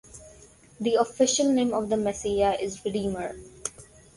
The official name of the Messiah is Redeemer.